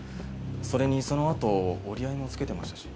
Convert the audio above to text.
それにそのあと折り合いもつけてましたし。